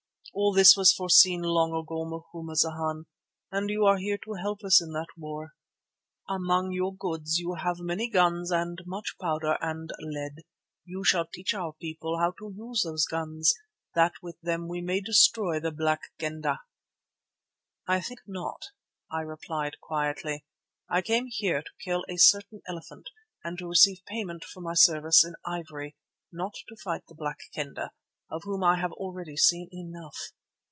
All this was foreseen long ago, Macumazana, and you are here to help us in that war. Among your goods you have many guns and much powder and lead. You shall teach our people how to use those guns, that with them we may destroy the Black Kendah." "I think not," I replied quietly. "I came here to kill a certain elephant, and to receive payment for my service in ivory, not to fight the Black Kendah, of whom I have already seen enough.